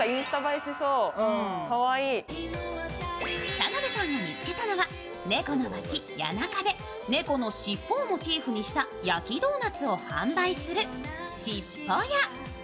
田辺さんが見つけたのは猫の町、谷中で猫の尻尾をモチーフにした焼きドーナツを販売するしっぽや。